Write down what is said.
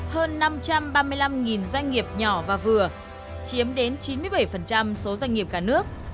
hơn năm trăm ba mươi năm doanh nghiệp nhỏ và vừa chiếm đến chín mươi bảy số doanh nghiệp cả nước